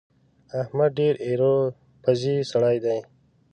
احمد ډېر ايرو پزی سړی دی.